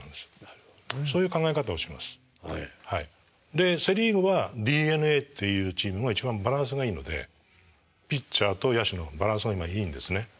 でセ・リーグはＤｅＮＡっていうチームが一番バランスがいいのでピッチャーと野手のバランスが今いいんですね。